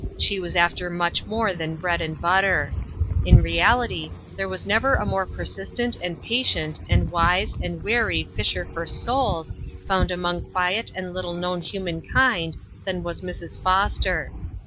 She was after much more than bread and butter. In reality there was never a more persistent and pa tient and wise and wary fisher for souls found among quiet and little known human kind than was Mrs. Foster.